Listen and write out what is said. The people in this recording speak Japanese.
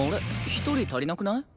１人足りなくない？